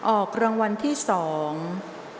ออกรางวัลที่๒ครั้งที่๑เลขที่ออก